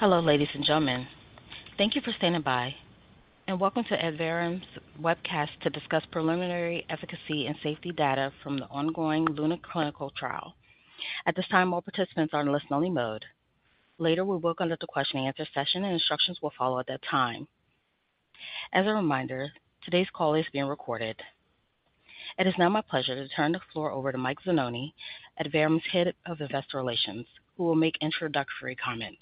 Hello, ladies and gentlemen. Thank you for standing by, and welcome to Adverum's webcast to discuss preliminary efficacy and safety data from the ongoing LUNA clinical trial. At this time, all participants are in listen-only mode. Later, we will conduct a question-and-answer session, and instructions will follow at that time. As a reminder, today's call is being recorded. It is now my pleasure to turn the floor over to Mike Zanoni, Adverum's Head of Investor Relations, who will make introductory comments.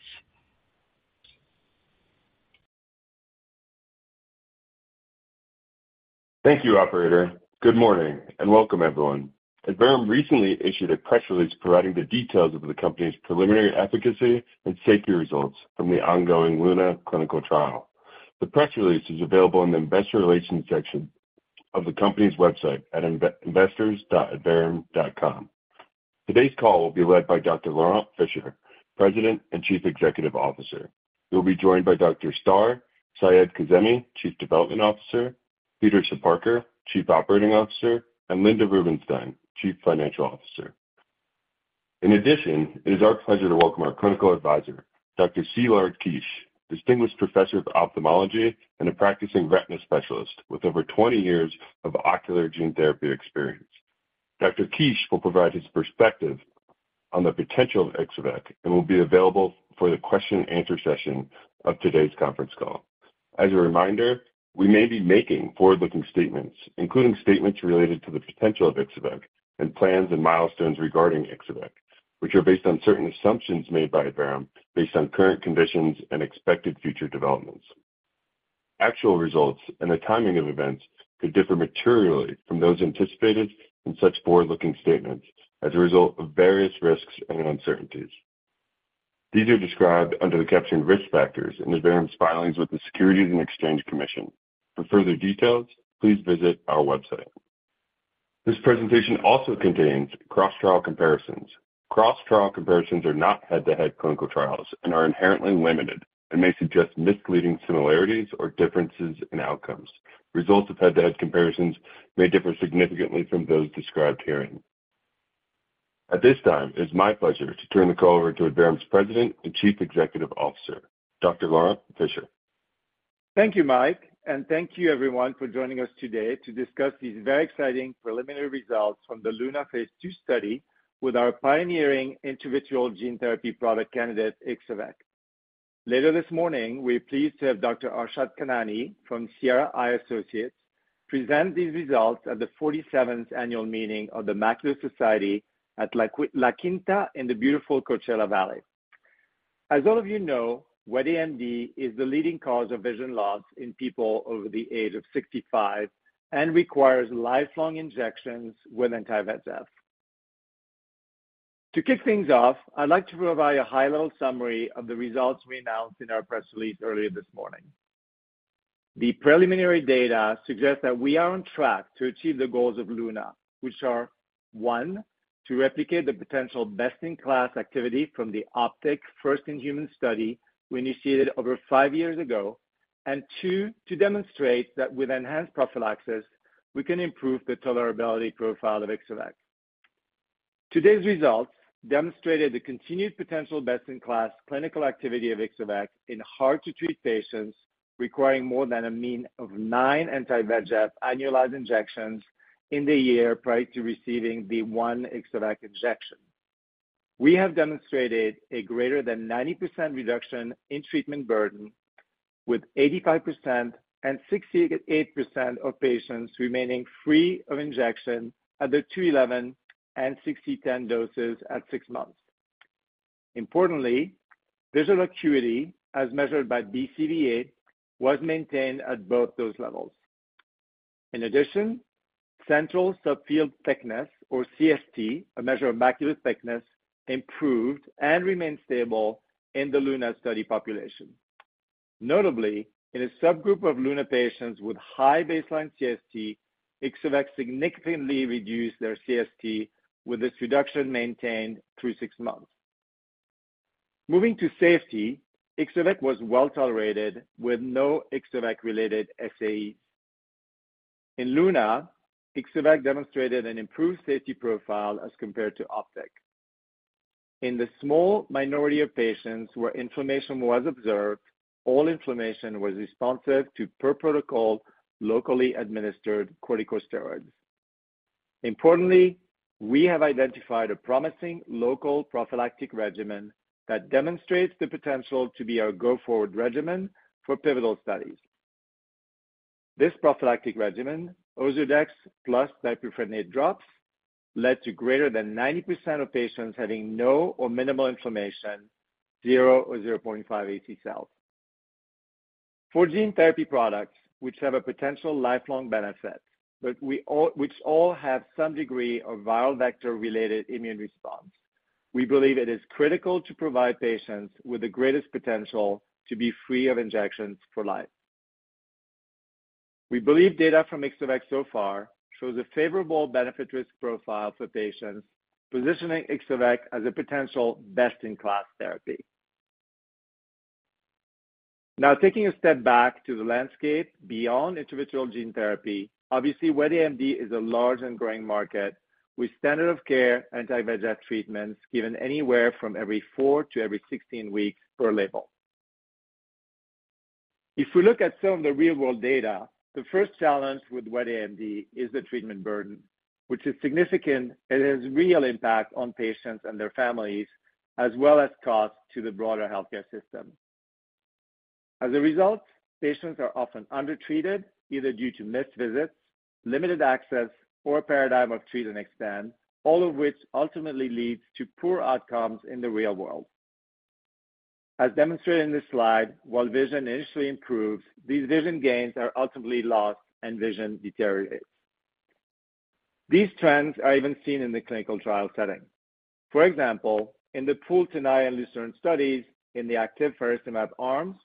Thank you, operator. Good morning, and welcome, everyone. Adverum recently issued a press release providing the details of the company's preliminary efficacy and safety results from the ongoing LUNA clinical trial. The press release is available in the investor relations section of the company's website at investors.adverum.com. Today's call will be led by Dr. Laurent Fischer, President and Chief Executive Officer, who will be joined by Dr. Setareh Seyedkazemi, Chief Development Officer, Peter Soparkar, Chief Operating Officer, and Linda Rubinstein, Chief Financial Officer. In addition, it is our pleasure to welcome our clinical advisor, Dr. Szilárd Kiss, distinguished professor of ophthalmology and a practicing retina specialist with over 20 years of ocular gene therapy experience. Dr. Kiss will provide his perspective on the potential of Ixo-vec and will be available for the question and answer session of today's conference call. As a reminder, we may be making forward-looking statements, including statements related to the potential of ixoberogene soroparvovec and plans and milestones regarding ixoberogene soroparvovec, which are based on certain assumptions made by Adverum based on current conditions and expected future developments. Actual results and the timing of events could differ materially from those anticipated in such forward-looking statements as a result of various risks and uncertainties. These are described under the caption Risk Factors in Adverum's filings with the Securities and Exchange Commission. For further details, please visit our website. This presentation also contains cross-trial comparisons. Cross-trial comparisons are not head-to-head clinical trials and are inherently limited and may suggest misleading similarities or differences in outcomes. Results of head-to-head comparisons may differ significantly from those described herein. At this time, it's my pleasure to turn the call over to Adverum's President and Chief Executive Officer, Dr. Laurent Fischer. Thank you, Mike, and thank you everyone for joining us today to discuss these very exciting preliminary results from the LUNA Phase 2 study with our pioneering intravitreal gene therapy product candidate, ixoberogene soroparvovec. Later this morning, we are pleased to have Dr. Arshad Khanani from Sierra Eye Associates present these results at the 47th annual meeting of the Macula Society at La Quinta in the beautiful Coachella Valley. As all of you know, wet AMD is the leading cause of vision loss in people over the age of 65 and requires lifelong injections with anti-VEGF. To kick things off, I'd like to provide a high-level summary of the results we announced in our press release earlier this morning. The preliminary data suggest that we are on track to achieve the goals of LUNA, which are, one, to replicate the potential best-in-class activity from the OPTIC first-in-human study we initiated over five years ago, and two, to demonstrate that with enhanced prophylaxis, we can improve the tolerability profile of Ixo-vec. Today's results demonstrated the continued potential best-in-class clinical activity of Ixo-vec in hard-to-treat patients requiring more than a mean of 9 anti-VEGF annualized injections in the year prior to receiving the 1 Ixo-vec injection. We have demonstrated a greater than 90% reduction in treatment burden, with 85% and 68% of patients remaining free of injection at the 2e11 and 6e10 doses at 6 months. Importantly, visual acuity, as measured by BCVA, was maintained at both those levels. In addition, central subfield thickness, or CST, a measure of macular thickness, improved and remained stable in the LUNA study population. Notably, in a subgroup of LUNA patients with high baseline CST, Ixo-vec significantly reduced their CST, with this reduction maintained through six months. Moving to safety, Ixo-vec was well-tolerated, with no Ixo-vec-related SAE. In LUNA, Ixo-vec demonstrated an improved safety profile as compared to OPTIC. In the small minority of patients where inflammation was observed, all inflammation was responsive to per-protocol, locally administered corticosteroids. Importantly, we have identified a promising local prophylactic regimen that demonstrates the potential to be our go-forward regimen for pivotal studies. This prophylactic regimen, Ozurdex plus difluprednate drops, led to greater than 90% of patients having no or minimal inflammation, 0 or 0.5 AC cells. For gene therapy products, which have a potential lifelong benefit, but which all have some degree of viral vector-related immune response, we believe it is critical to provide patients with the greatest potential to be free of injections for life. We believe data from Ixo-vec so far shows a favorable benefit-risk profile for patients, positioning Ixo-vec as a potential best-in-class therapy. Now, taking a step back to the landscape beyond intravitreal gene therapy, obviously, wet AMD is a large and growing market, with standard of care anti-VEGF treatments given anywhere from every 4 to every 16 weeks per label. If we look at some of the real-world data, the first challenge with wet AMD is the treatment burden, which is significant and has real impact on patients and their families, as well as cost to the broader healthcare system. As a result, patients are often undertreated, either due to missed visits, limited access, or a paradigm of treat and extend, all of which ultimately leads to poor outcomes in the real world. As demonstrated in this slide, while vision initially improves, these vision gains are ultimately lost, and vision deteriorates. These trends are even seen in the clinical trial setting. For example, in the pooled TENAYA and LUCERNE studies in the active faricimab arms,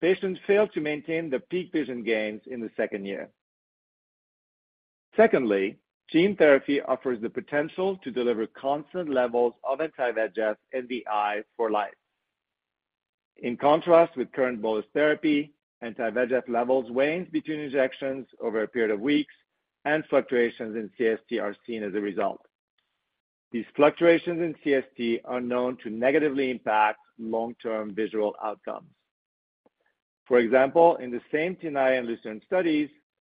patients failed to maintain the peak vision gains in the second year. Secondly, gene therapy offers the potential to deliver constant levels of anti-VEGF in the eye for life. In contrast with current bolus therapy, anti-VEGF levels wane between injections over a period of weeks, and fluctuations in CST are seen as a result. These fluctuations in CST are known to negatively impact long-term visual outcomes. For example, in the same TENAYA and LUCERNE studies,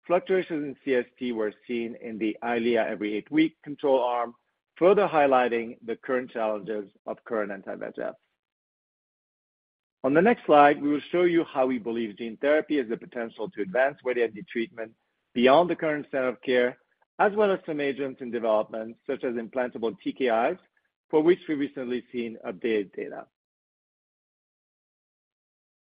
fluctuations in CST were seen in the Eylea-every-8-week control arm, further highlighting the current challenges of current anti-VEGF. On the next slide, we will show you how we believe gene therapy has the potential to advance wet AMD treatment beyond the current standard of care, as well as some agents in development, such as implantable TKIs, for which we've recently seen updated data.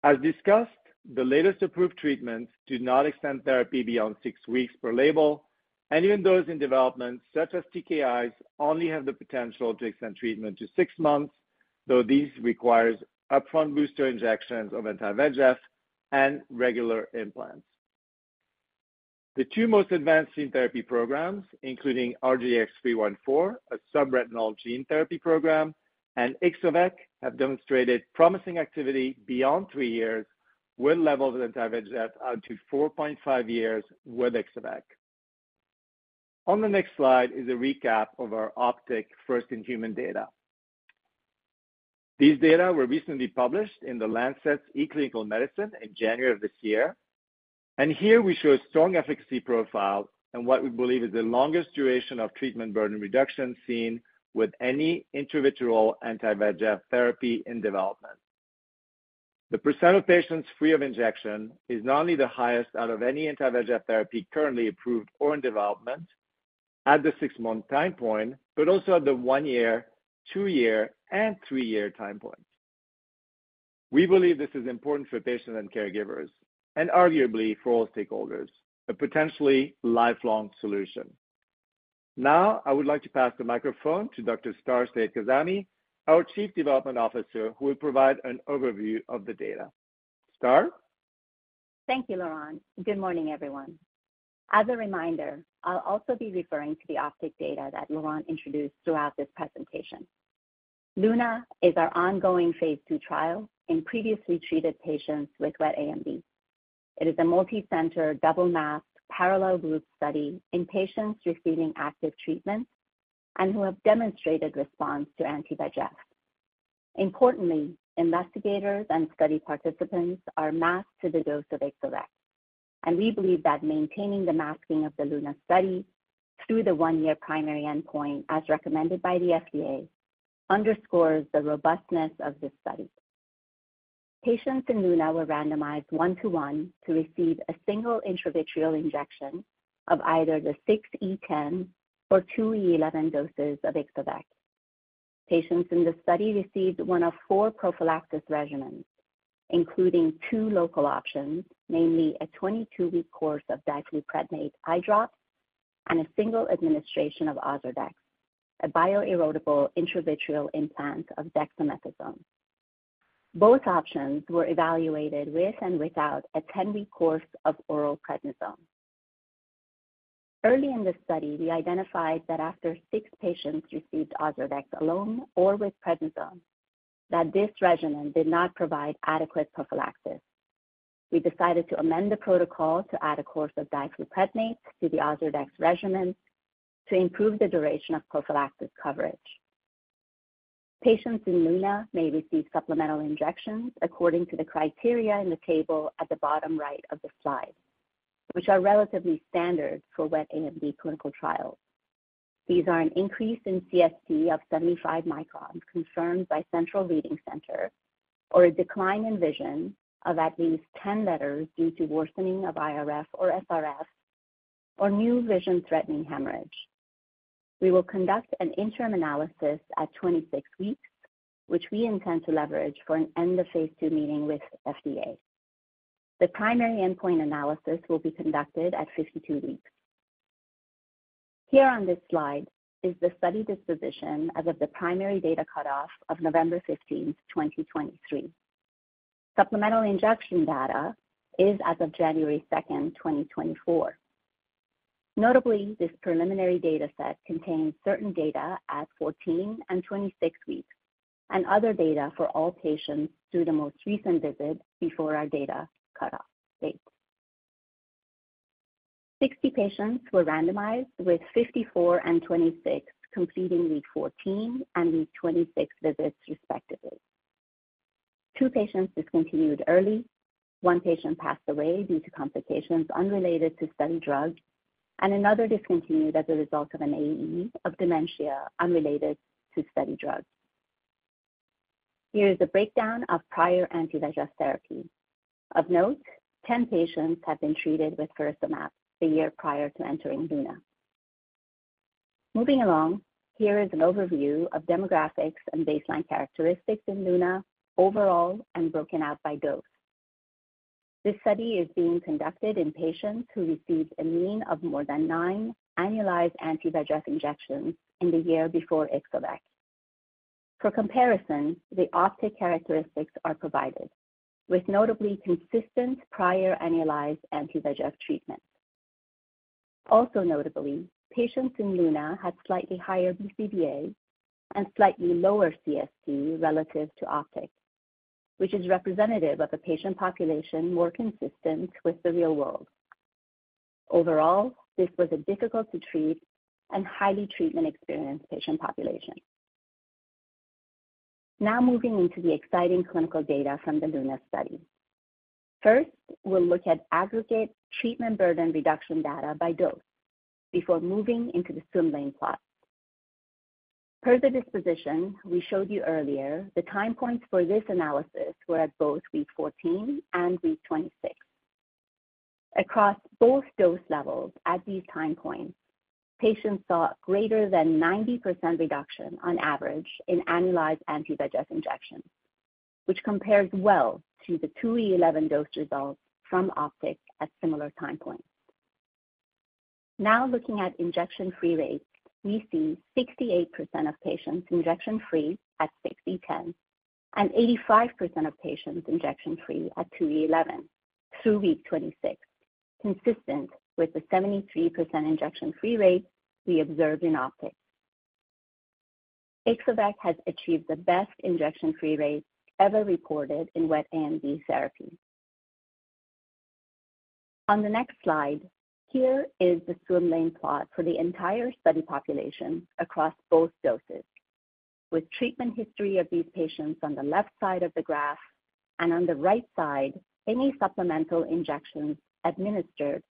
As discussed, the latest approved treatments do not extend therapy beyond 6 weeks per label, and even those in development, such as TKIs, only have the potential to extend treatment to 6 months, though this requires upfront booster injections of anti-VEGF and regular implants. The two most advanced gene therapy programs, including RGX-314, a subretinal gene therapy program, and Ixo-vec, have demonstrated promising activity beyond three years, with levels of anti-VEGF out to four and a half years with Ixo-vec. On the next slide is a recap of our OPTIC first-in-human data. These data were recently published in the Lancet's eClinical Medicine in January of this year, and here we show a strong efficacy profile and what we believe is the longest duration of treatment burden reduction seen with any intravitreal anti-VEGF therapy in development. The % of patients free of injection is not only the highest out of any anti-VEGF therapy currently approved or in development at the 6-month time point, but also at the one year, two year, and three year time points. We believe this is important for patients and caregivers and arguably for all stakeholders, a potentially lifelong solution. Now, I would like to pass the microphone to Dr. Star Seyedkazemi, our Chief Development Officer, who will provide an overview of the data. Star? Thank you, Laurent. Good morning, everyone. As a reminder, I'll also be referring to the OPTIC data that Laurent introduced throughout this presentation. LUNA is our ongoing phase 2 trial in previously treated patients with wet AMD. It is a multicenter, double-masked, parallel group study in patients receiving active treatment and who have demonstrated response to anti-VEGF. Importantly, investigators and study participants are masked to the dose of Ixo-vec, and we believe that maintaining the masking of the LUNA study through the one year primary endpoint, as recommended by the FDA, underscores the robustness of this study. Patients in LUNA were randomized 1:1 to receive a single intravitreal injection of either the 6E10 or 2E11 doses of Ixo-vec. Patients in the study received one of four prophylaxis regimens, including two local options, namely a 22-week course of difluprednate eye drops and a single administration of Ozurdex, a bioerodible intravitreal implant of dexamethasone. Both options were evaluated with and without a 10-week course of oral prednisone. Early in the study, we identified that after 6 patients received Ozurdex alone or with prednisone, that this regimen did not provide adequate prophylaxis. We decided to amend the protocol to add a course of difluprednate to the Ozurdex regimen to improve the duration of prophylaxis coverage. Patients in LUNA may receive supplemental injections according to the criteria in the table at the bottom right of the slide, which are relatively standard for wet AMD clinical trials. These are an increase in CST of 75 microns, confirmed by Central Reading Center, or a decline in vision of at least 10 letters due to worsening of IRF or SRF, or new vision-threatening hemorrhage. We will conduct an interim analysis at 26 weeks, which we intend to leverage for an end-of-phase-two meeting with FDA. The primary endpoint analysis will be conducted at 52 weeks. Here on this slide is the study disposition as of the primary data cutoff of November 15, 2023. Supplemental injection data is as of January 2, 2024.... Notably, this preliminary data set contains certain data at 14 and 26 weeks, and other data for all patients through the most recent visit before our data cutoff date. 60 patients were randomized, with 54 and 26 completing week 14 and week 26 visits, respectively. Two patients discontinued early, one patient passed away due to complications unrelated to study drug, and another discontinued as a result of an AE of dementia unrelated to study drug. Here is a breakdown of prior anti-VEGF therapy. Of note, 10 patients had been treated with aflibercept a year prior to entering LUNA. Moving along, here is an overview of demographics and baseline characteristics in LUNA overall and broken out by dose. This study is being conducted in patients who received a mean of more than nine annualized anti-VEGF injections in the year before Ixo-vec. For comparison, the OPTIC characteristics are provided, with notably consistent prior annualized anti-VEGF treatment. Also notably, patients in LUNA had slightly higher BCVA and slightly lower CST relative to OPTIC, which is representative of a patient population more consistent with the real world. Overall, this was a difficult to treat and highly treatment-experienced patient population. Now moving into the exciting clinical data from the LUNA study. First, we'll look at aggregate treatment burden reduction data by dose before moving into the swim lane plot. Per the disposition we showed you earlier, the time points for this analysis were at both week 14 and week 26. Across both dose levels at these time points, patients saw greater than 90% reduction on average in annualized anti-VEGF injections, which compares well to the 2E11 dose results from OPTIC at similar time points. Now, looking at injection-free rates, we see 68% of patients injection-free at 6E10 and 85% of patients injection-free at 2E11 through week 26, consistent with the 73% injection-free rate we observed in OPTIC. Ixo-vec has achieved the best injection-free rate ever reported in wet AMD therapy. On the next slide, here is the swim lane plot for the entire study population across both doses, with treatment history of these patients on the left side of the graph and on the right side, any supplemental injections administered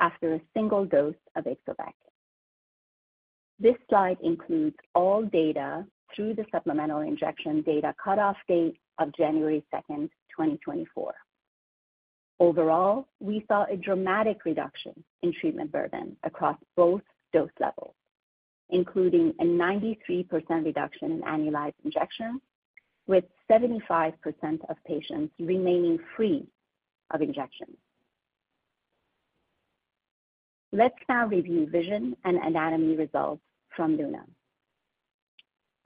after a single dose of Ixo-vec. This slide includes all data through the supplemental injection data cutoff date of January 2, 2024. Overall, we saw a dramatic reduction in treatment burden across both dose levels, including a 93% reduction in annualized injections, with 75% of patients remaining free of injections. Let's now review vision and anatomy results from LUNA.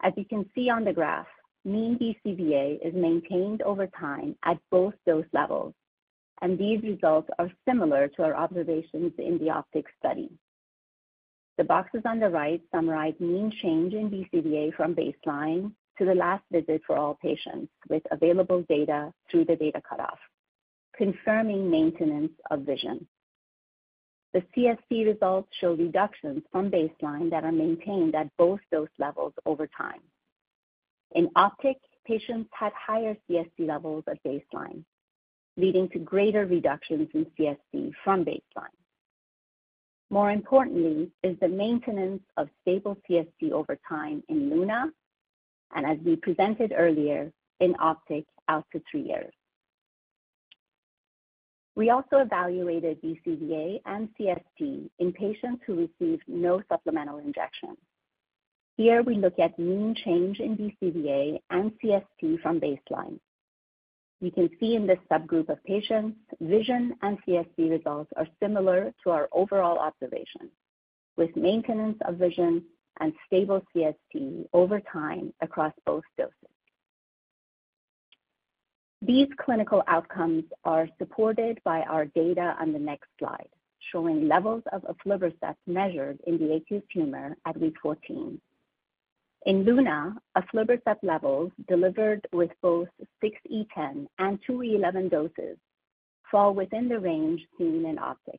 As you can see on the graph, mean BCVA is maintained over time at both dose levels, and these results are similar to our observations in the OPTIC study. The boxes on the right summarize mean change in BCVA from baseline to the last visit for all patients with available data through the data cutoff, confirming maintenance of vision. The CST results show reductions from baseline that are maintained at both dose levels over time. In OPTIC, patients had higher CST levels at baseline, leading to greater reductions in CST from baseline. More importantly is the maintenance of stable CST over time in LUNA, and as we presented earlier in OPTIC, out to three years. We also evaluated BCVA and CST in patients who received no supplemental injections. Here we look at mean change in BCVA and CST from baseline. We can see in this subgroup of patients, vision and CST results are similar to our overall observation, with maintenance of vision and stable CST over time across both doses. These clinical outcomes are supported by our data on the next slide, showing levels of aflibercept measured in the aqueous humor at week 14. In LUNA, aflibercept levels delivered with both 6E10 and 2E11 doses fall within the range seen in OPTIC,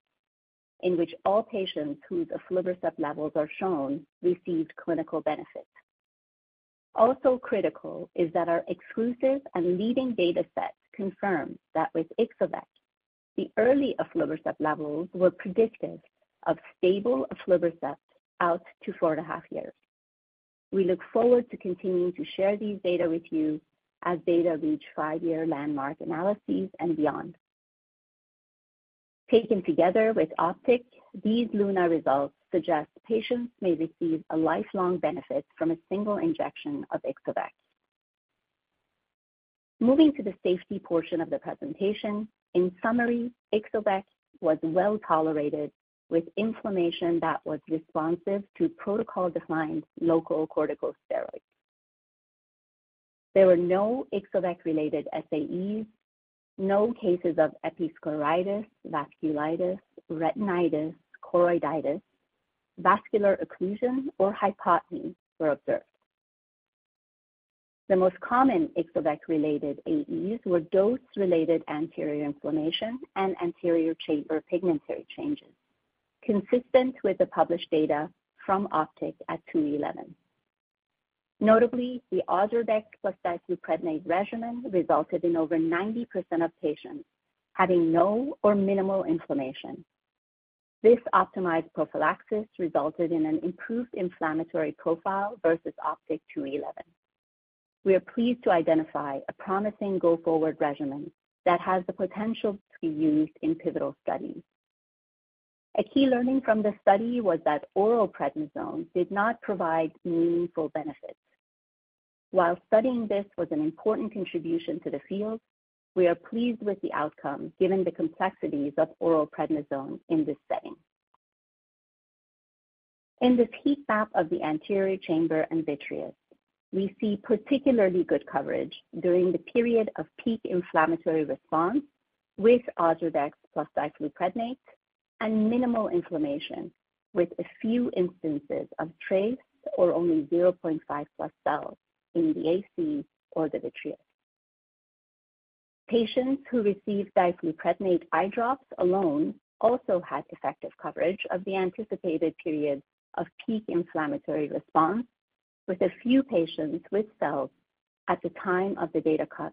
in which all patients whose aflibercept levels are shown received clinical benefit. Also critical is that our exclusive and leading data sets confirm that with Ixo-vec, the early aflibercept levels were predictive of stable aflibercept out to four and a half years. We look forward to continuing to share these data with you as data reach five years landmark analyses and beyond. Taken together with OPTIC, these LUNA results suggest patients may receive a lifelong benefit from a single injection of Ixo-vec. Moving to the safety portion of the presentation. In summary, Ixo-vec was well tolerated, with inflammation that was responsive to protocol-defined local corticosteroids. There were no Ixo-vec-related SAEs. No cases of episcleritis, vasculitis, retinitis, choroiditis, vascular occlusion, or hypotony were observed. The most common Ixo-vec-related AEs were dose-related anterior inflammation and anterior chamber pigmentary changes, consistent with the published data from OPTIC at two-eleven. Notably, the Ozurdex plus difluprednate regimen resulted in over 90% of patients having no or minimal inflammation. This optimized prophylaxis resulted in an improved inflammatory profile versus OPTIC two-eleven. We are pleased to identify a promising go-forward regimen that has the potential to be used in pivotal studies. A key learning from the study was that oral prednisone did not provide meaningful benefits. While studying this was an important contribution to the field, we are pleased with the outcome, given the complexities of oral prednisone in this setting. In this heat map of the anterior chamber and vitreous, we see particularly good coverage during the period of peak inflammatory response with Ozurdex plus difluprednate and minimal inflammation, with a few instances of trace or only 0.5+ cells in the AC or the vitreous. Patients who received difluprednate eye drops alone also had effective coverage of the anticipated period of peak inflammatory response, with a few patients with cells at the time of the data cut,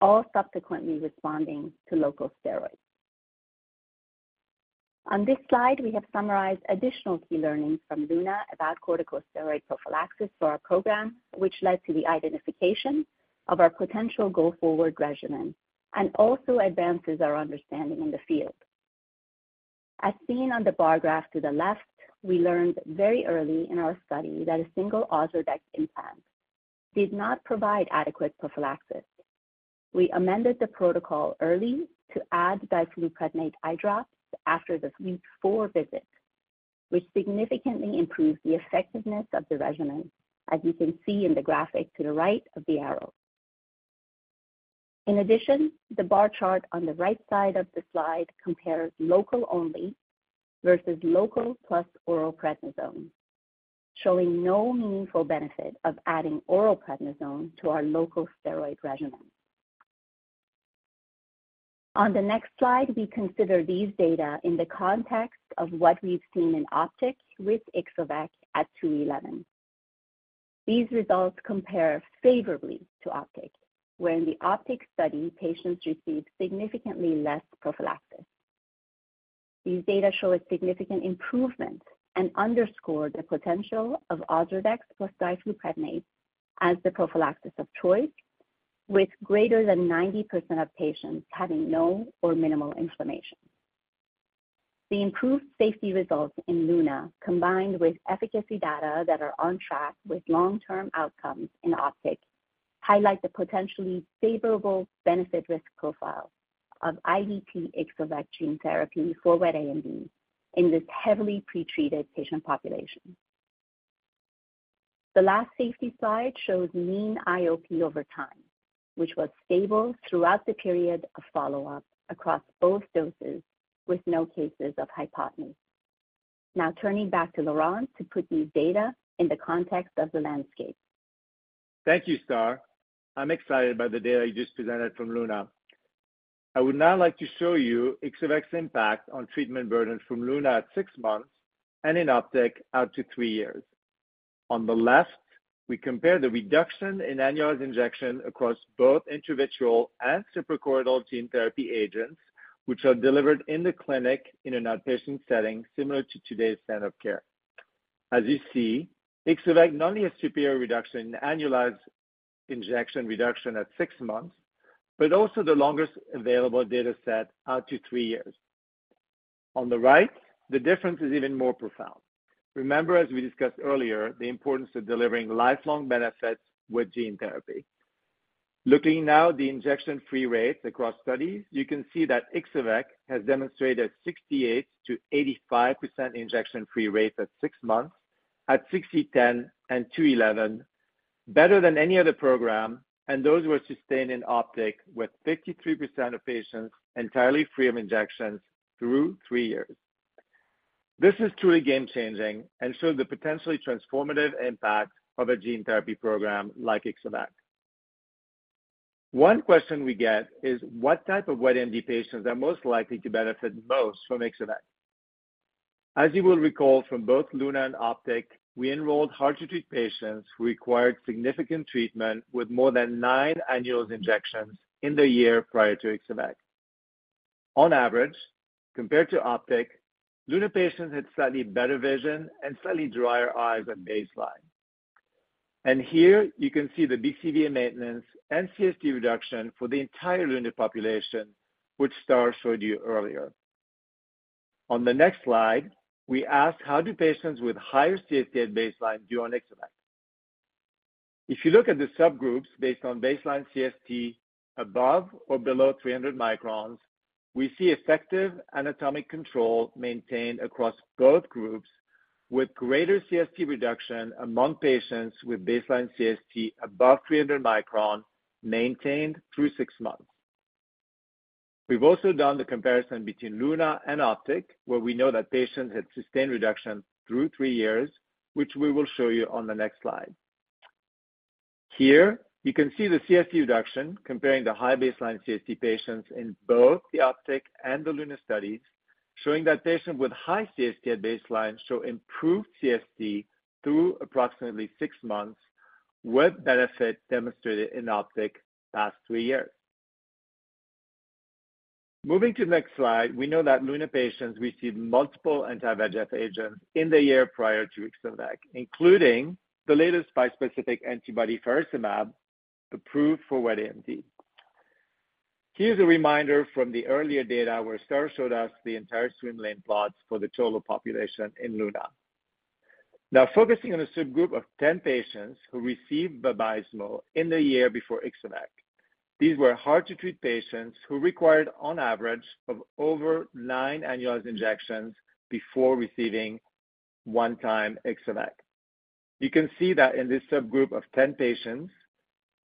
all subsequently responding to local steroids. On this slide, we have summarized additional key learnings from LUNA about corticosteroid prophylaxis for our program, which led to the identification of our potential go-forward regimen and also advances our understanding in the field. As seen on the bar graph to the left, we learned very early in our study that a single Ozurdex implant did not provide adequate prophylaxis. We amended the protocol early to add difluprednate eye drops after the week 4 visit, which significantly improved the effectiveness of the regimen, as you can see in the graphic to the right of the arrow. In addition, the bar chart on the right side of the slide compares local only versus local plus oral prednisone, showing no meaningful benefit of adding oral prednisone to our local steroid regimen. On the next slide, we consider these data in the context of what we've seen in OPTIC with Ixo-vec at 2e11. These results compare favorably to OPTIC, where in the OPTIC study, patients received significantly less prophylaxis. These data show a significant improvement and underscore the potential of Ozurdex plus difluprednate as the prophylaxis of choice, with greater than 90% of patients having no or minimal inflammation. The improved safety results in LUNA, combined with efficacy data that are on track with long-term outcomes in OPTIC, highlight the potentially favorable benefit-risk profile of Ixo-vec gene therapy for wet AMD in this heavily pretreated patient population. The last safety slide shows mean IOP over time, which was stable throughout the period of follow-up across both doses, with no cases of hypotony. Now turning back to Laurent to put these data in the context of the landscape. Thank you, Star. I'm excited by the data you just presented from LUNA. I would now like to show you Ixo-vec's impact on treatment burden from LUNA at 6 months and in OPTIC out to three years. On the left, we compare the reduction in annualized injection across both intravitreal and suprachoroidal gene therapy agents, which are delivered in the clinic in an outpatient setting, similar to today's standard of care. As you see, Ixo-vec not only has superior reduction in annualized injection reduction at 6 months, but also the longest available data set out to three years. On the right, the difference is even more profound. Remember, as we discussed earlier, the importance of delivering lifelong benefits with gene therapy. Looking now at the injection-free rates across studies, you can see that Ixo-vec has demonstrated 68%-85% injection-free rates at 6 months at 6x10^11 and 2x10^11, better than any other program, and those were sustained in OPTIC, with 53% of patients entirely free of injections through three years. This is truly game-changing and shows the potentially transformative impact of a gene therapy program like Ixo-vec. One question we get is: What type of wet AMD patients are most likely to benefit most from Ixo-vec? As you will recall from both LUNA and OPTIC, we enrolled hard-to-treat patients who required significant treatment with more than 9 annual injections in the year prior to Ixo-vec. On average, compared to OPTIC, LUNA patients had slightly better vision and slightly drier eyes at baseline. Here you can see the BCVA maintenance and CST reduction for the entire LUNA population, which Star showed you earlier. On the next slide, we ask: How do patients with higher CST at baseline do on Ixo-vec? If you look at the subgroups based on baseline CST above or below 300 microns, we see effective anatomic control maintained across both groups... with greater CST reduction among patients with baseline CST above 300 microns, maintained through 6 months. We've also done the comparison between LUNA and OPTIC, where we know that patients had sustained reduction through three years, which we will show you on the next slide. Here you can see the CST reduction comparing the high baseline CST patients in both the OPTIC and the LUNA studies, showing that patients with high CST at baseline show improved CST through approximately six months, with benefit demonstrated in OPTIC the past two years. Moving to the next slide, we know that LUNA patients received multiple anti-VEGF agents in the year prior to Ixo-vec, including the latest bispecific antibody faricimab, approved for wet AMD. Here's a reminder from the earlier data where star showed us the entire swim lane plots for the total population in LUNA. Now focusing on a subgroup of 10 patients who received Vabysmo in the year before Ixo-vec. These were hard-to-treat patients who required, on average, of over nine annual injections before receiving one-time Ixo-vec. You can see that in this subgroup of 10 patients,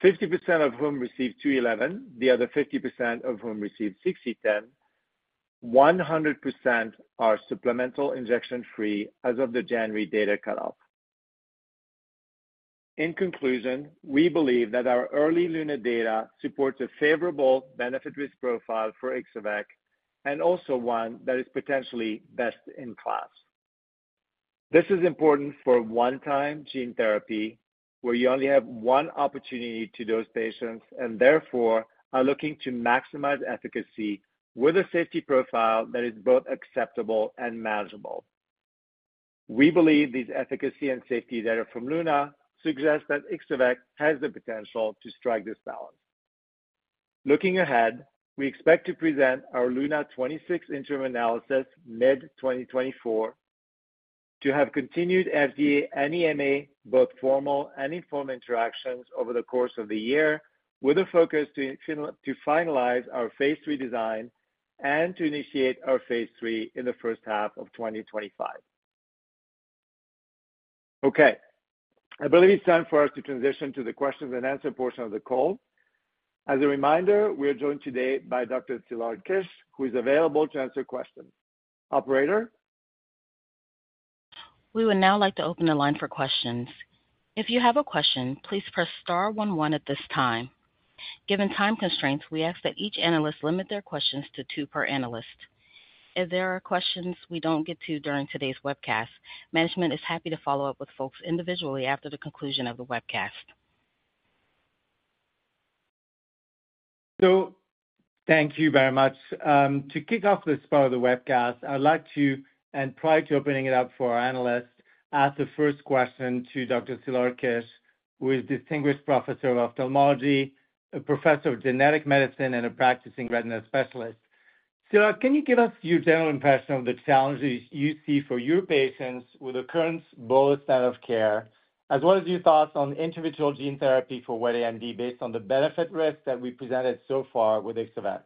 50% of whom received 2e11, the other 50% of whom received 6e10, 100% are supplemental injection-free as of the January data cutoff. In conclusion, we believe that our early LUNA data supports a favorable benefit-risk profile for Ixo-vec, and also one that is potentially best in class. This is important for a one-time gene therapy, where you only have one opportunity to those patients and therefore are looking to maximize efficacy with a safety profile that is both acceptable and manageable. We believe these efficacy and safety data from LUNA suggest that Ixo-vec has the potential to strike this balance. Looking ahead, we expect to present our LUNA 26 interim analysis mid-2024, to have continued FDA and EMA both formal and informal interactions over the course of the year, with a focus to finalize our phase 3 design and to initiate our phase 3 in the first half of 2025. Okay, I believe it's time for us to transition to the questions and answer portion of the call. As a reminder, we are joined today by Dr. Szilárd Kiss, who is available to answer questions. Operator? We would now like to open the line for questions. If you have a question, please press star one one at this time. Given time constraints, we ask that each analyst limit their questions to two per analyst. If there are questions we don't get to during today's webcast, management is happy to follow up with folks individually after the conclusion of the webcast. So thank you very much. To kick off this part of the webcast, I'd like to, and prior to opening it up for our analysts, ask the first question to Dr. Szilárd Kiss, who is Distinguished Professor of Ophthalmology, a Professor of Genetic Medicine, and a practicing retina specialist. Szilárd, can you give us your general impression of the challenges you see for your patients with the current standard of care, as well as your thoughts on intravitreal gene therapy for wet AMD, based on the benefit risk that we presented so far with Ixo-vec?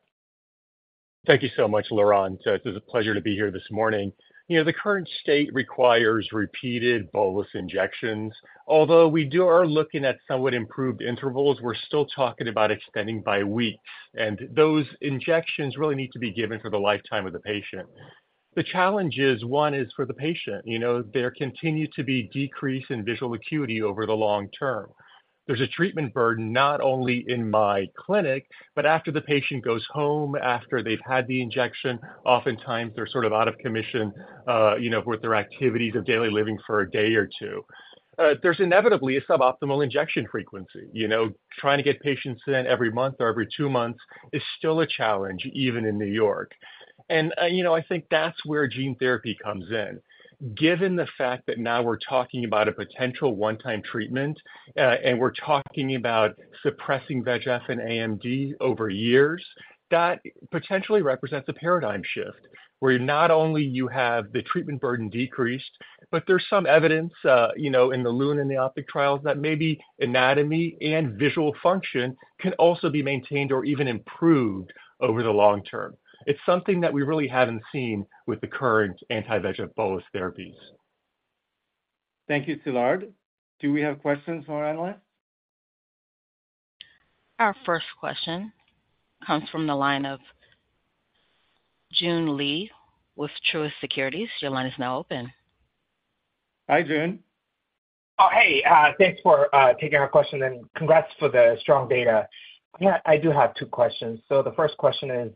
Thank you so much, Laurent. It's a pleasure to be here this morning. You know, the current state requires repeated bolus injections. Although we are looking at somewhat improved intervals, we're still talking about extending by weeks, and those injections really need to be given for the lifetime of the patient. The challenge is, one is for the patient. You know, there continue to be decrease in visual acuity over the long term. There's a treatment burden, not only in my clinic, but after the patient goes home, after they've had the injection. Oftentimes, they're sort of out of commission, you know, with their activities of daily living for a day or two. There's inevitably a suboptimal injection frequency. You know, trying to get patients in every month or every two months is still a challenge, even in New York. You know, I think that's where gene therapy comes in. Given the fact that now we're talking about a potential one-time treatment, and we're talking about suppressing VEGF and AMD over years, that potentially represents a paradigm shift, where not only you have the treatment burden decreased, but there's some evidence, you know, in the LUNA and the OPTIC trials, that maybe anatomy and visual function can also be maintained or even improved over the long term. It's something that we really haven't seen with the current anti-VEGF bolus therapies. Thank you, Szilárd. Do we have questions from our analysts? Our first question comes from the line of Joon Lee with Truist Securities. Your line is now open. Hi, Joon. Oh, hey, thanks for taking our question, and congrats for the strong data. Yeah, I do have two questions. So the first question is,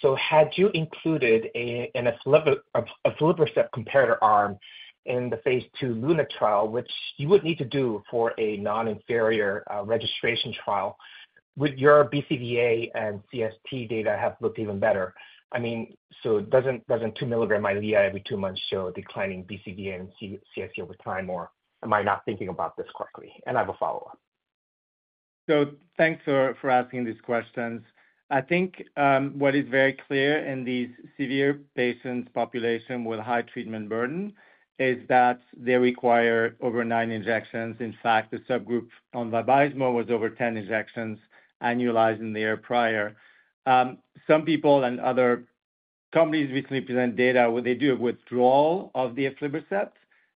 so had you included an aflibercept comparator arm in the phase 2 LUNA trial, which you would need to do for a non-inferior registration trial, would your BCVA and CST data have looked even better? I mean, so doesn't 2 mg Eylea every two months show a declining BCVA and CST over time, or am I not thinking about this correctly? And I have a follow-up. So thanks for asking these questions. I think what is very clear in these severe patients population with high treatment burden is that they require over nine injections. In fact, the subgroup on Vabysmo was over 10 injections, annualizing the year prior. Some people and other companies recently present data where they do a withdrawal of the aflibercept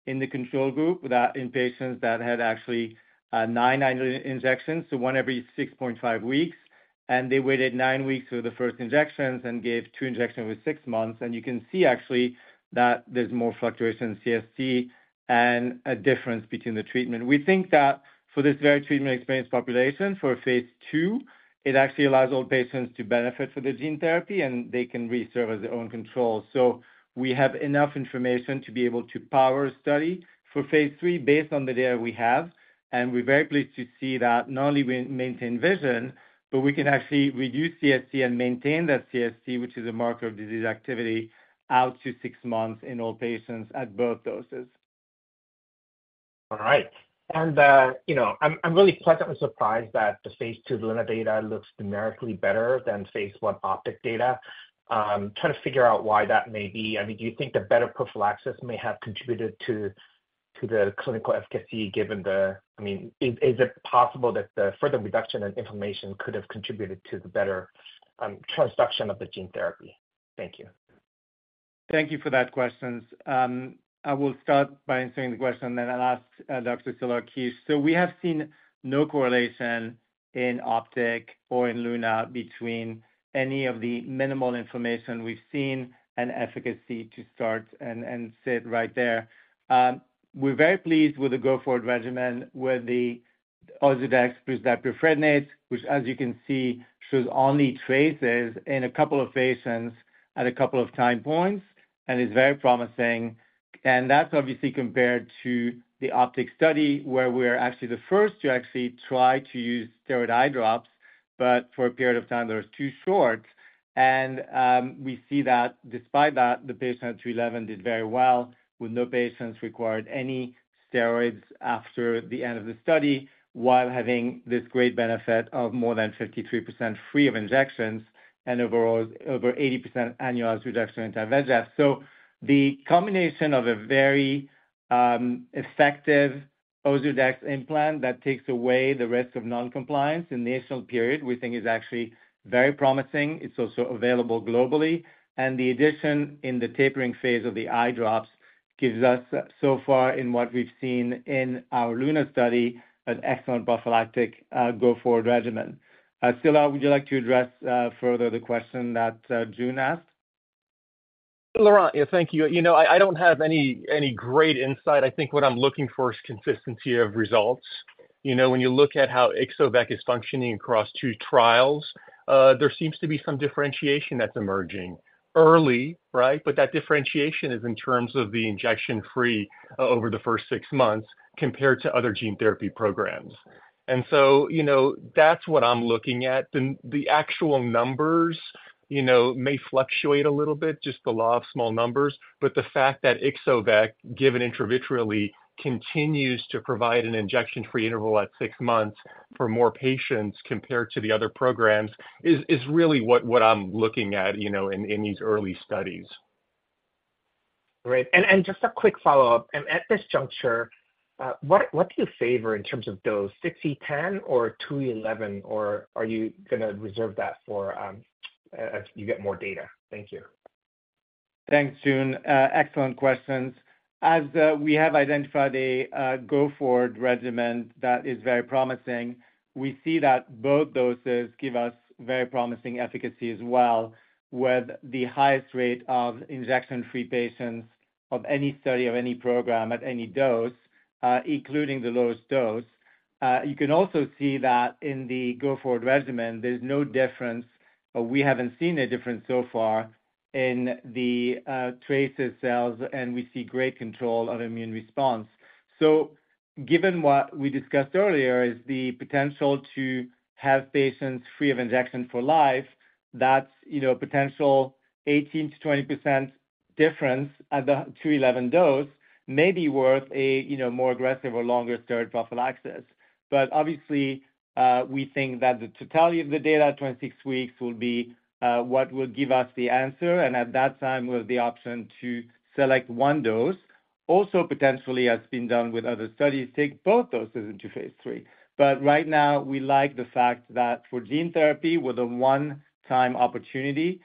in the control group, that in patients that had actually nine injections, so one every 6.5 weeks, and they waited 9 weeks for the first injections and gave 2 injections with 6 months. And you can see actually that there's more fluctuation in CST and a difference between the treatment. We think that for this very treatment-experienced population, for phase 2, it actually allows all patients to benefit from the gene therapy, and they can reserve as their own control. We have enough information to be able to power a study for phase 3 based on the data we have. We're very pleased to see that not only we maintain vision, but we can actually reduce CST and maintain that CST, which is a marker of disease activity, out to six months in all patients at both doses. All right. And, you know, I'm really pleasantly surprised that the phase 2 LUNA data looks numerically better than phase 1 OPTIC data. Trying to figure out why that may be. I mean, do you think the better prophylaxis may have contributed to the clinical efficacy, given the—I mean, is it possible that the further reduction in inflammation could have contributed to the better transduction of the gene therapy? Thank you. Thank you for that question. I will start by answering the question, then I'll ask Dr. Szilárd Kiss. So we have seen no correlation in OPTIC or in LUNA between any of the minimal inflammation we've seen and efficacy to date and it sits right there. We're very pleased with the go-forward regimen, with the Ozurdex plus difluprednate, which, as you can see, shows only traces in a couple of patients at a couple of time points, and is very promising. And that's obviously compared to the OPTIC study, where we're actually the first to actually try to use steroid eye drops, but for a period of time that was too short. We see that despite that, the patient at 211 did very well, with no patients required any steroids after the end of the study, while having this great benefit of more than 53% free of injections and overall over 80% annual reduction in anti-VEGF. So the combination of a very, effective Ozurdex implant that takes away the risk of non-compliance initial period, we think is actually very promising. It's also available globally, and the addition in the tapering phase of the eye drops gives us, so far in what we've seen in our LUNA study, an excellent prophylactic, go-forward regimen. Szilárd, would you like to address, further the question that, June asked? Laurent, yeah, thank you. You know, I don't have any great insight. I think what I'm looking for is consistency of results. You know, when you look at how Ixo-vec is functioning across 2 trials, there seems to be some differentiation that's emerging early, right? But that differentiation is in terms of the injection-free over the first 6 months compared to other gene therapy programs. And so, you know, that's what I'm looking at. The actual numbers, you know, may fluctuate a little bit, just the law of small numbers, but the fact that Ixo-vec, given intravitreally, continues to provide an injection-free interval at 6 months for more patients compared to the other programs, is really what I'm looking at, you know, in these early studies. Great. And just a quick follow-up. At this juncture, what do you favor in terms of dose, 60/10 or 2/11? Or are you gonna reserve that for, you get more data? Thank you. Thanks, June. Excellent questions. As we have identified a go-forward regimen that is very promising, we see that both doses give us very promising efficacy as well, with the highest rate of injection-free patients of any study, of any program, at any dose, including the lowest dose. You can also see that in the go-forward regimen, there's no difference, or we haven't seen a difference so far in the AC cells, and we see great control of immune response. So given what we discussed earlier, is the potential to have patients free of injection for life, that's, you know, potential 18%-20% difference at the 2/11 dose may be worth a, you know, more aggressive or longer steroid prophylaxis. But obviously, we think that the totality of the data at 26 weeks will be, what will give us the answer, and at that time, we'll have the option to select one dose. Also, potentially, as been done with other studies, take both doses into phase 3. But right now, we like the fact that for gene therapy with a one-time opportunity,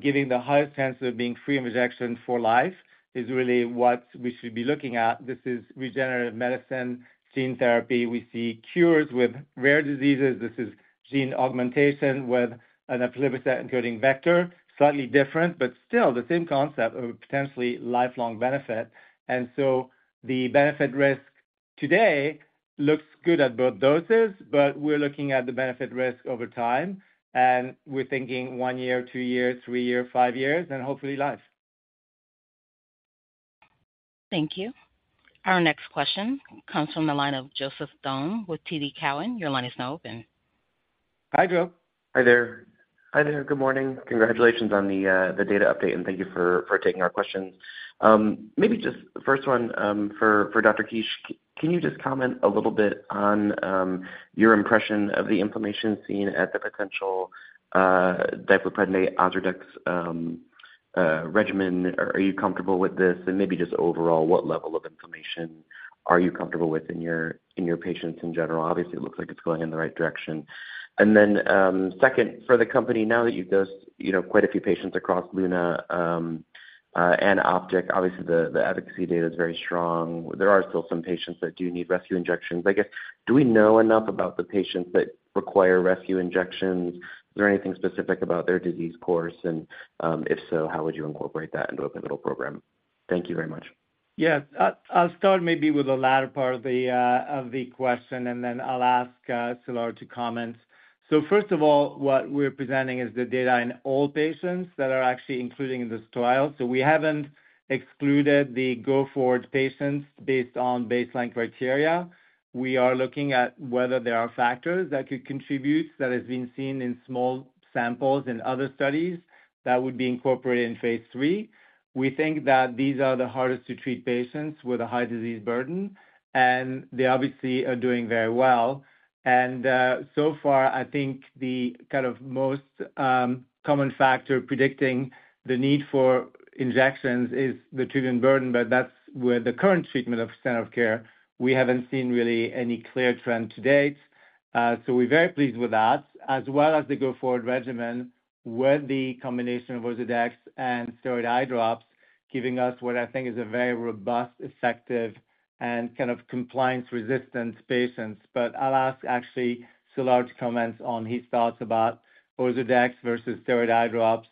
giving the highest chance of being free of injection for life is really what we should be looking at. This is regenerative medicine, gene therapy. We see cures with rare diseases. This is gene augmentation with an aflibercept-encoding vector. Slightly different, but still the same concept of a potentially lifelong benefit. And so the benefit risk today looks good at both doses, but we're looking at the benefit risk over time, and we're thinking one year, two years, three years, five years, and hopefully life. Thank you. Our next question comes from the line of Joseph Thome with TD Cowen. Your line is now open. Hi, Joseph. Hi there. Hi there, good morning. Congratulations on the data update, and thank you for taking our questions. Maybe just the first one, for Dr. Kiss. Can you just comment a little bit on your impression of the inflammation seen at the potential difluprednate Ozurdex?... regimen, are you comfortable with this? And maybe just overall, what level of inflammation are you comfortable with in your, in your patients in general? Obviously, it looks like it's going in the right direction. And then, second, for the company, now that you've dosed, you know, quite a few patients across LUNA and OPTIC, obviously, the efficacy data is very strong. There are still some patients that do need rescue injections. I guess, do we know enough about the patients that require rescue injections? Is there anything specific about their disease course? And, if so, how would you incorporate that into a pivotal program? Thank you very much. Yes. I'll start maybe with the latter part of the question, and then I'll ask Szilárd to comment. So first of all, what we're presenting is the data in all patients that are actually including in this trial. So we haven't excluded the go-forward patients based on baseline criteria. We are looking at whether there are factors that could contribute, that has been seen in small samples in other studies that would be incorporated in phase III. We think that these are the hardest to treat patients with a high disease burden, and they obviously are doing very well. So far, I think the kind of most common factor predicting the need for injections is the treatment burden, but that's with the current treatment of standard of care. We haven't seen really any clear trend to date. So we're very pleased with that, as well as the go-forward regimen with the combination of Ozurdex and steroid eye drops, giving us what I think is a very robust, effective, and kind of compliance-resistant patients. But I'll ask actually Szilárd to comment on his thoughts about Ozurdex versus steroid eye drops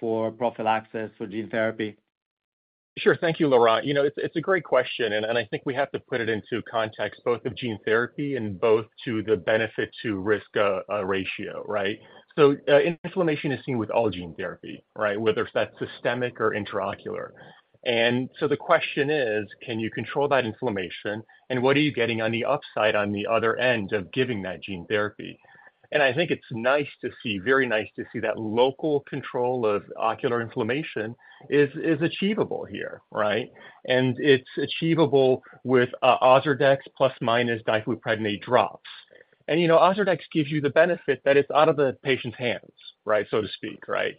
for prophylaxis for gene therapy. Sure. Thank you, Laurent. You know, it's a great question, and I think we have to put it into context, both of gene therapy and both to the benefit to risk ratio, right? So, inflammation is seen with all gene therapy, right? Whether that's systemic or intraocular. And so the question is: Can you control that inflammation, and what are you getting on the upside, on the other end of giving that gene therapy? And I think it's nice to see, very nice to see that local control of ocular inflammation is achievable here, right? And it's achievable with Ozurdex plus minus difluprednate drops. And, you know, Ozurdex gives you the benefit that it's out of the patient's hands, right, so to speak, right?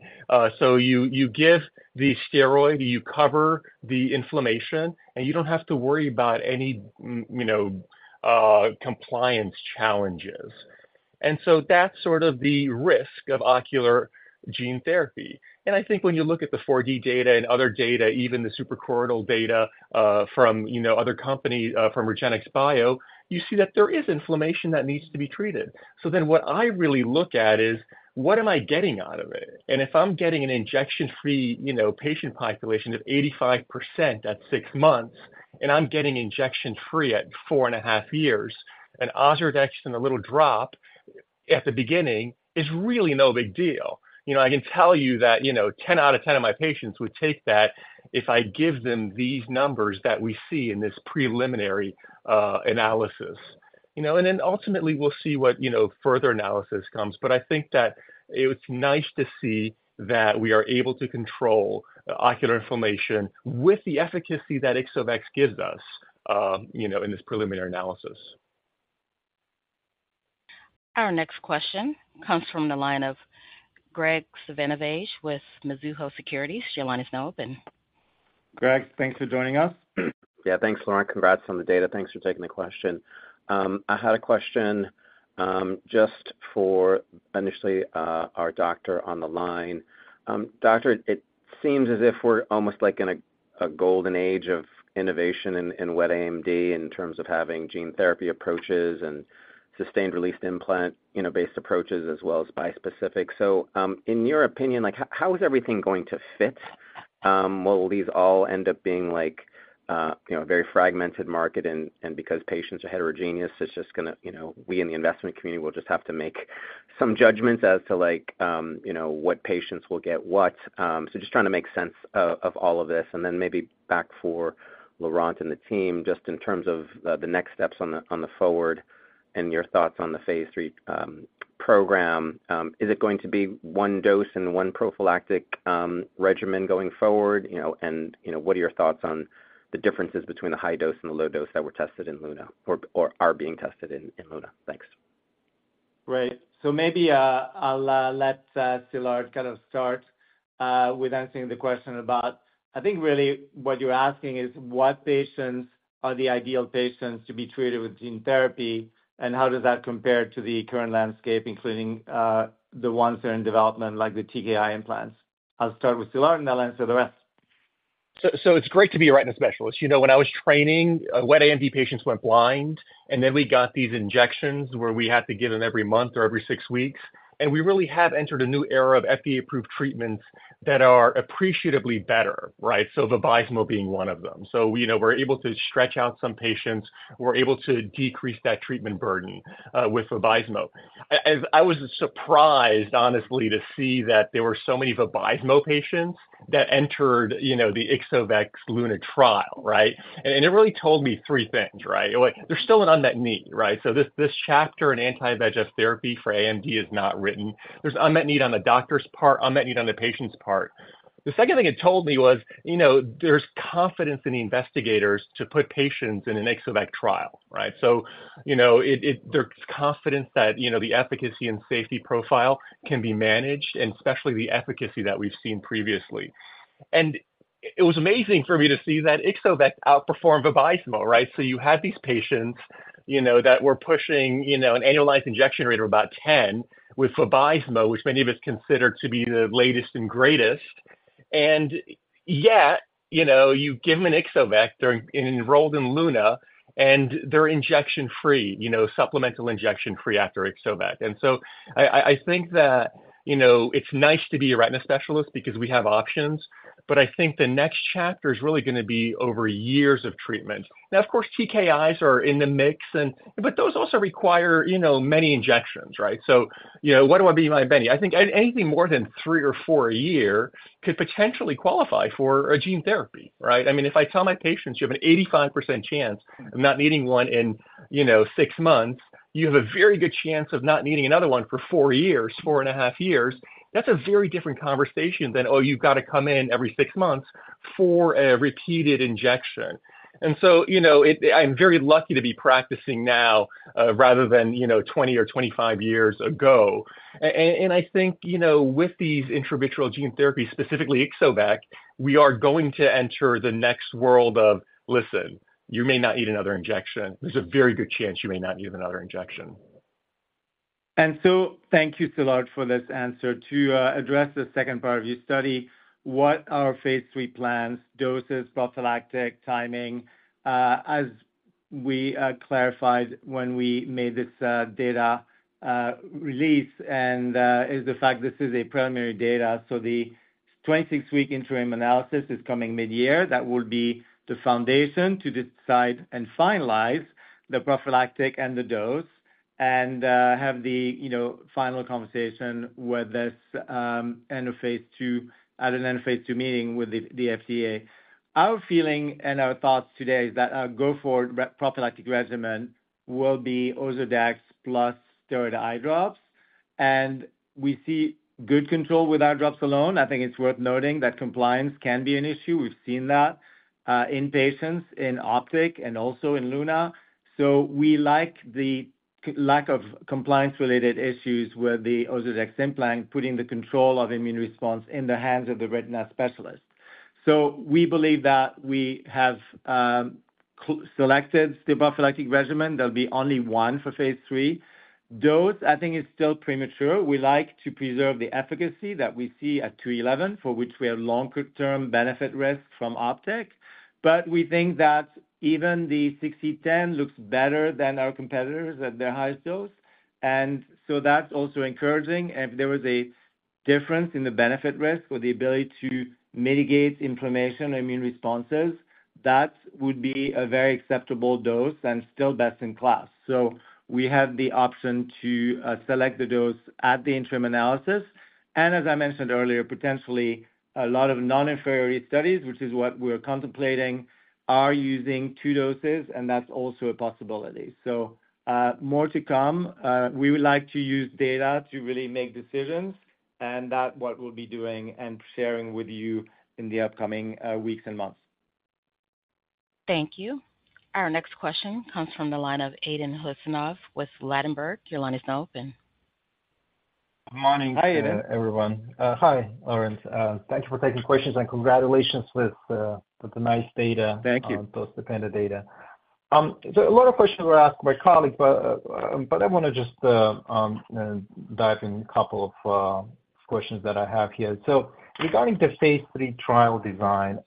So you give the steroid, you cover the inflammation, and you don't have to worry about any you know compliance challenges. And so that's sort of the risk of ocular gene therapy. And I think when you look at the 4D data and other data, even the suprachoroidal data from you know other company from REGENXBIO, you see that there is inflammation that needs to be treated. So then what I really look at is, what am I getting out of it? And if I'm getting an injection-free you know patient population of 85% at 6 months, and I'm getting injection-free at four and a half years, an Ozurdex and a little drop at the beginning is really no big deal. You know, I can tell you that, you know, 10 out of 10 of my patients would take that if I give them these numbers that we see in this preliminary analysis. You know, and then ultimately, we'll see what, you know, further analysis comes. But I think that it's nice to see that we are able to control ocular inflammation with the efficacy that Ixo-vec gives us, you know, in this preliminary analysis. Our next question comes from the line of Gregg Moskowitz with Mizuho Securities. Your line is now open. Greg, thanks for joining us. Yeah, thanks, Laurent. Congrats on the data. Thanks for taking the question. I had a question, just for initially, our doctor on the line. Doctor, it seems as if we're almost like in a golden age of innovation in wet AMD in terms of having gene therapy approaches and sustained-release implant, you know, based approaches as well as bispecific. So, in your opinion, like, how is everything going to fit? Will these all end up being like, you know, a very fragmented market and because patients are heterogeneous, it's just gonna, you know, we in the investment community will just have to make some judgments as to like, you know, what patients will get what? So just trying to make sense of all of this, and then maybe back for Laurent and the team, just in terms of the next steps on the forward and your thoughts on the phase III program. Is it going to be one dose and one prophylactic regimen going forward? You know, and you know, what are your thoughts on the differences between the high dose and the low dose that were tested in LUNA or are being tested in LUNA? Thanks. Right. So maybe I'll let Szilárd kind of start with answering the question about... I think really what you're asking is, what patients are the ideal patients to be treated with gene therapy, and how does that compare to the current landscape, including the ones that are in development, like the TKI implants? I'll start with Szilárd, and then I'll answer the rest. So it's great to be a retina specialist. You know, when I was training, wet AMD patients went blind, and then we got these injections where we had to give them every month or every six weeks. And we really have entered a new era of FDA-approved treatments that are appreciably better, right? So Vabysmo being one of them. So you know, we're able to stretch out some patients, we're able to decrease that treatment burden with Vabysmo. I was surprised, honestly, to see that there were so many Vabysmo patients that entered, you know, the Ixo-vec LUNA trial, right? And it really told me three things, right? There's still an unmet need, right? So this, this chapter in anti-VEGF therapy for AMD is not written. There's unmet need on the doctor's part, unmet need on the patient's part. The second thing it told me was, you know, there's confidence in the investigators to put patients in an Ixo-vec trial, right? So you know, it-- there's confidence that, you know, the efficacy and safety profile can be managed, and especially the efficacy that we've seen previously. It was amazing for me to see that Ixo-vec outperformed Vabysmo, right? So you had these patients, you know, that were pushing, you know, an annualized injection rate of about 10 with Vabysmo, which many of us consider to be the latest and greatest. And yet, you know, you give them an Ixo-vec and enrolled in LUNA, and they're injection-free, you know, supplemental injection-free after Ixo-vec. And so I think that, you know, it's nice to be a retina specialist because we have options, but I think the next chapter is really gonna be over years of treatment. Now, of course, TKIs are in the mix, and, but those also require, you know, many injections, right? So, you know, what do I mean by many? I think anything more than three or four a year could potentially qualify for a gene therapy, right? I mean, if I tell my patients, "You have an 85% chance of not needing one in, you know, six months, you have a very good chance of not needing another one for four years, four and a half years," that's a very different conversation than, "Oh, you've got to come in every six months for a repeated injection." And so, you know, it. I'm very lucky to be practicing now, rather than, you know, 20 or 25 years ago. I think, you know, with these intravitreal gene therapies, specifically Ixo-vec, we are going to enter the next world of, "Listen, you may not need another injection. There's a very good chance you may not need another injection. And so thank you so much for this answer. To address the second part of your study, what are our phase III plans, doses, prophylactic, timing? As we clarified when we made this data release, and is the fact this is a preliminary data. So the 26-week interim analysis is coming mid-year. That will be the foundation to decide and finalize the prophylactic and the dose, and have the, you know, final conversation with this end of phase II, at an end of phase II meeting with the FDA. Our feeling and our thoughts today is that our go-forward prophylactic regimen will be Ozurdex plus steroid eye drops, and we see good control with eye drops alone. I think it's worth noting that compliance can be an issue. We've seen that in patients in OPTIC and also in LUNA. So we like the lack of compliance-related issues with the Ozurdex implant, putting the control of immune response in the hands of the retina specialist. So we believe that we have selected the prophylactic regimen. There'll be only one for phase 3. Dose, I think, is still premature. We like to preserve the efficacy that we see at 2 × 10^11, for which we have longer-term benefit risk from OPTIC. But we think that even the 6 × 10^10 looks better than our competitors at their highest dose, and so that's also encouraging. And if there was a difference in the benefit risk or the ability to mitigate inflammation, immune responses, that would be a very acceptable dose and still best in class. So we have the option to select the dose at the interim analysis. As I mentioned earlier, potentially a lot of non-inferiority studies, which is what we're contemplating, are using two doses, and that's also a possibility. So, more to come. We would like to use data to really make decisions, and that's what we'll be doing and sharing with you in the upcoming weeks and months. Thank you. Our next question comes from the line of Aydin Huseynov with Ladenburg. Your line is now open. Good morning- Hi, Aiden. Everyone. Hi, Laurent. Thank you for taking questions, and congratulations with the nice data- Thank you. Positive data. So a lot of questions were asked by colleagues, but I want to just dive in a couple of questions that I have here. So regarding the phase III trial design,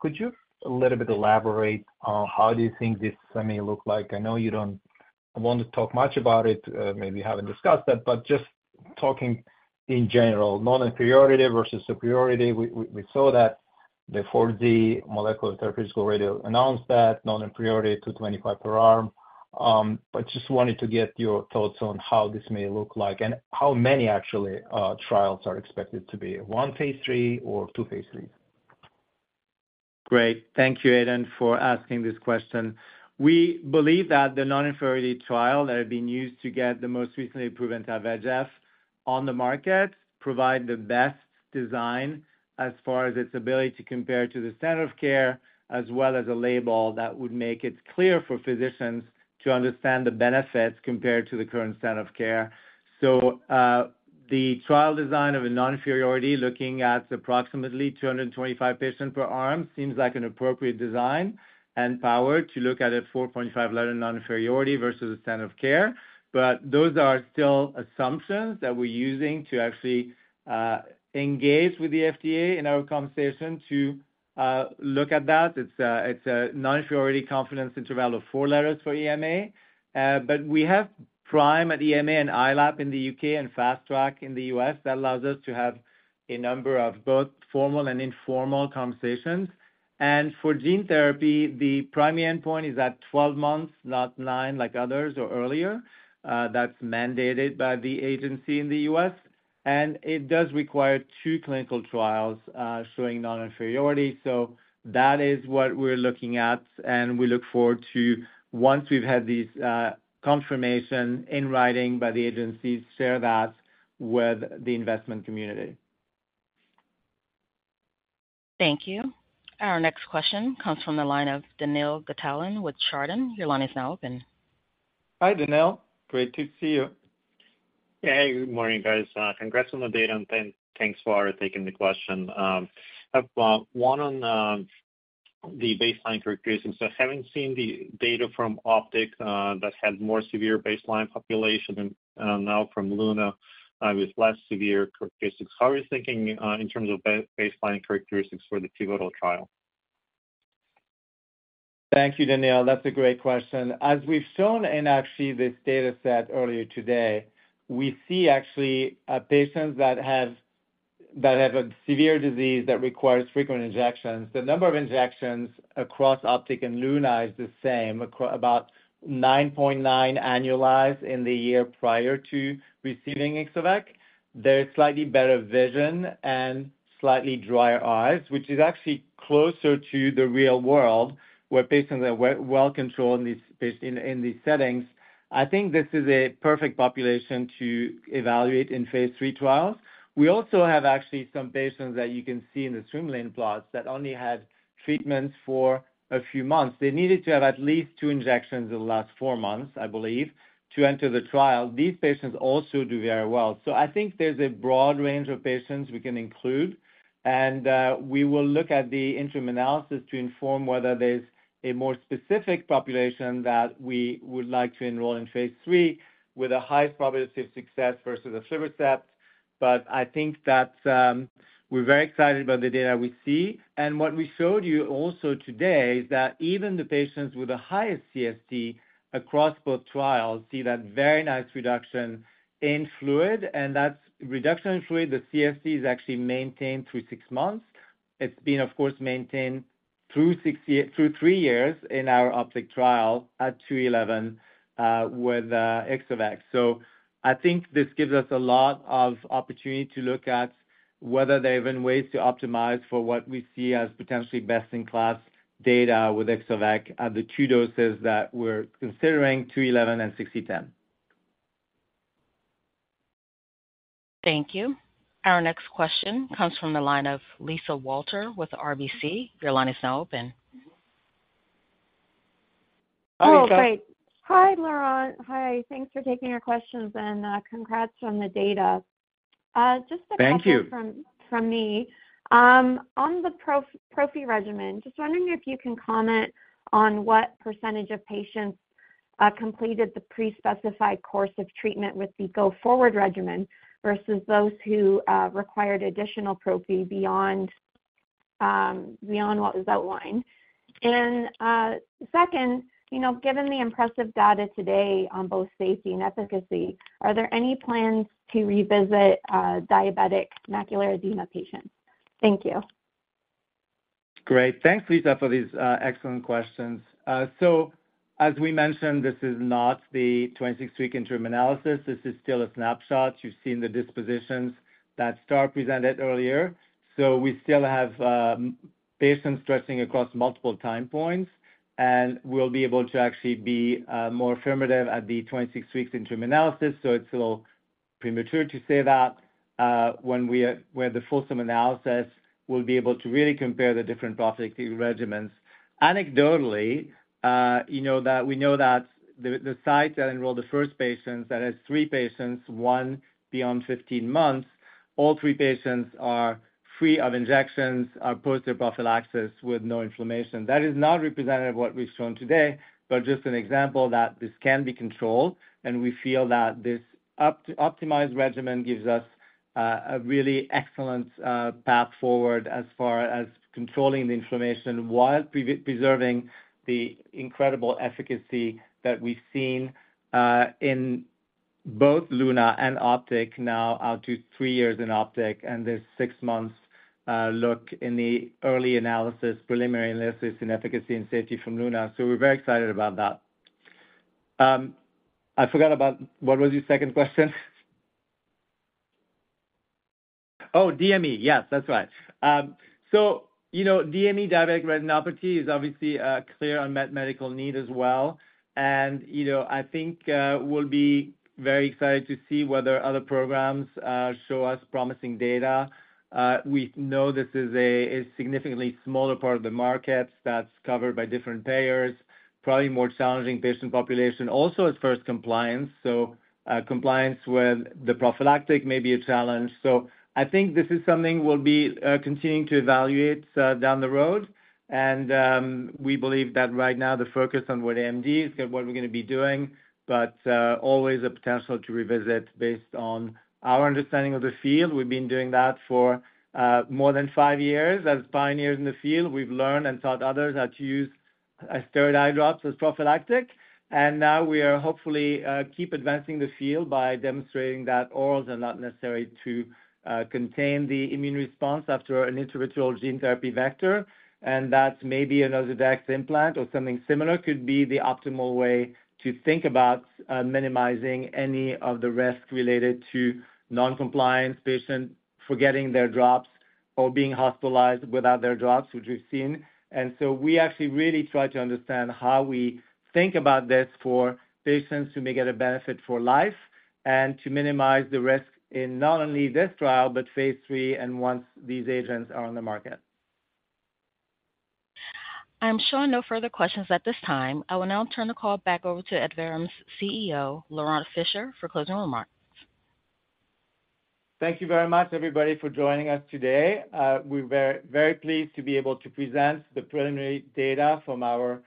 could you a little bit elaborate on how do you think this may look like? I know you don't want to talk much about it, maybe haven't discussed that, but just talking in general, non-inferiority versus superiority. We saw that the 4D Molecular Therapeutics announced that non-inferiority to 25 per arm. But just wanted to get your thoughts on how this may look like and how many actually trials are expected to be, one phase III or two phase IIIs? Great. Thank you, Aiden, for asking this question. We believe that the non-inferiority trial that had been used to get the most recently approved Vabysmo on the market provide the best design as far as its ability to compare to the standard of care, as well as a label that would make it clear for physicians to understand the benefits compared to the current standard of care. So, the trial design of a non-inferiority, looking at approximately 225 patients per arm, seems like an appropriate design and power to look at a 4.5-letter non-inferiority versus the standard of care. But those are still assumptions that we're using to actually, engage with the FDA in our conversation to, look at that. It's a, it's a non-inferiority confidence interval of 4 letters for EMA. But we have PRIME at EMA and ILAP in the UK and Fast Track in the US. That allows us to have a number of both formal and informal conversations. For gene therapy, the primary endpoint is at 12 months, not 9, like others, or earlier. That's mandated by the agency in the US, and it does require 2 clinical trials, showing non-inferiority. So that is what we're looking at, and we look forward to, once we've had these, confirmation in writing by the agencies, share that with the investment community. Thank you. Our next question comes from the line of Daniil Gataulin with Chardan. Your line is now open. Hi, Daniil. Great to see you. Yeah. Hey, good morning, guys. Congrats on the data, and thanks for taking the question. I have one on the baseline characteristics. So having seen the data from OPTIC, that had more severe baseline population and now from LUNA, with less severe characteristics, how are you thinking in terms of baseline characteristics for the pivotal trial? Thank you, Daniel. That's a great question. As we've shown in actually this dataset earlier today, we see actually, patients that have, that have a severe disease that requires frequent injections. The number of injections across OPTIC and LUNA is the same, about 9.9 annualized in the year prior to receiving Ixo-vec. There is slightly better vision and slightly drier eyes, which is actually closer to the real world, where patients are well controlled in these patients, in, in these settings. I think this is a perfect population to evaluate in phase 3 trials. We also have actually some patients that you can see in the streamline plots that only had treatments for a few months. They needed to have at least two injections in the last four months, I believe, to enter the trial. These patients also do very well. So I think there's a broad range of patients we can include, and we will look at the interim analysis to inform whether there's a more specific population that we would like to enroll in phase 3 with a high probability of success versus a subset. But I think that we're very excited about the data we see. And what we showed you also today is that even the patients with the highest CST across both trials see that very nice reduction in fluid, and that reduction in fluid, the CST, is actually maintained through six months. It's been, of course, maintained through three years in our OPTIC trial at 2e11 with Ixo-vec. I think this gives us a lot of opportunity to look at whether there are even ways to optimize for what we see as potentially best-in-class data with Ixo-vec at the two doses that we're considering, 2 × 10^11 and 6 × 10^10. Thank you. Our next question comes from the line of Lisa Walter with RBC. Your line is now open. Oh, great. Hi, Laurent. Hi, thanks for taking our questions, and congrats on the data. Just a couple- Thank you. From me. On the prophy regimen, just wondering if you can comment on what percentage of patients completed the pre-specified course of treatment with the go-forward regimen versus those who required additional prophy beyond what was outlined? And, second, you know, given the impressive data today on both safety and efficacy, are there any plans to revisit diabetic macular edema patients? Thank you. Great. Thanks, Lisa, for these excellent questions. So as we mentioned, this is not the 26-week interim analysis. This is still a snapshot. You've seen the dispositions that Star presented earlier. So we still have patients progressing across multiple time points, and we'll be able to actually be more affirmative at the 26 weeks interim analysis. So it's a little premature to say that. When we are where the fulsome analysis will be able to really compare the different prophylactic regimens. Anecdotally, you know that, we know that the sites that enroll the first patients, that is three patients, one beyond 15 months, all three patients are free of injections, are post their prophylaxis with no inflammation. That is not representative of what we've shown today, but just an example that this can be controlled, and we feel that this optimized regimen gives us a really excellent path forward as far as controlling the inflammation while preserving the incredible efficacy that we've seen in both LUNA and OPTIC, now out to three years in OPTIC, and this six months look in the early analysis, preliminary analysis in efficacy and safety from LUNA. So we're very excited about that. I forgot about... What was your second question? Oh, DME. Yes, that's right. So, you know, DME, diabetic retinopathy, is obviously a clear unmet medical need as well. And you know, I think we'll be very excited to see whether other programs show us promising data. We know this is a significantly smaller part of the market that's covered by different payers, probably a more challenging patient population. Also, it's first compliance, so compliance with the prophylactic may be a challenge. So I think this is something we'll be continuing to evaluate down the road. And we believe that right now, the focus on wet AMD is what we're gonna be doing, but always a potential to revisit based on our understanding of the field. We've been doing that for more than five years. As pioneers in the field, we've learned and taught others how to use a steroid eye drops as prophylactic. And now we are hopefully keep advancing the field by demonstrating that orals are not necessary to contain the immune response after an intravitreal gene therapy vector. And that maybe an Ozurdex implant or something similar could be the optimal way to think about, minimizing any of the risk related to non-compliant patients forgetting their drops or being hospitalized without their drops, which we've seen. And so we actually really try to understand how we think about this for patients who may get a benefit for life, and to minimize the risk in not only this trial, but phase 3 and once these agents are on the market. I'm showing no further questions at this time. I will now turn the call back over to Adverum's CEO, Laurent Fischer, for closing remarks. Thank you very much, everybody, for joining us today. We're very, very pleased to be able to present the preliminary data from our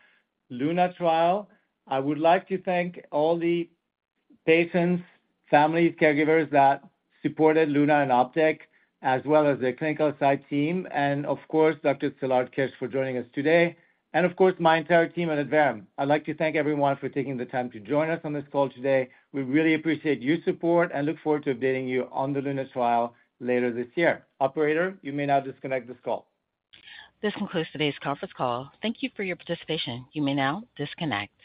LUNA trial. I would like to thank all the patients, families, caregivers that supported LUNA and OPTIC, as well as the clinical site team, and of course, Dr. Szilárd Kiss for joining us today, and of course, my entire team at Adverum. I'd like to thank everyone for taking the time to join us on this call today. We really appreciate your support and look forward to updating you on the LUNA trial later this year. Operator, you may now disconnect this call. This concludes today's conference call. Thank you for your participation. You may now disconnect.